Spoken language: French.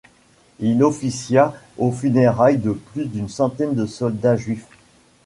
Il officia aux funérailles de plus d'une centaine de soldats juifs.